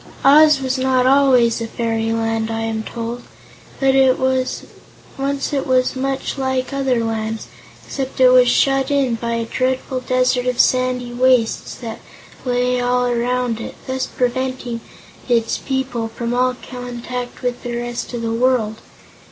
Oz was not always a fairyland, I am told. Once it was much like other lands, except it was shut in by a dreadful desert of sandy wastes that lay all around it, thus preventing its people from all contact with the rest of the world.